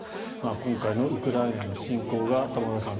今回のウクライナへの侵攻が玉川さん